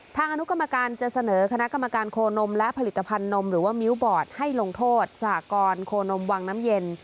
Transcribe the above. อนุกรรมการจะเสนอคณะกรรมการโคนมและผลิตภัณฑนมหรือว่ามิ้วบอร์ดให้ลงโทษสหกรณ์โคนมวังน้ำเย็น